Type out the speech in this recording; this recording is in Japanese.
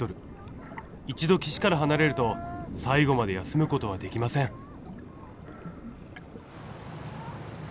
一度岸から離れると最後まで休む事はできません。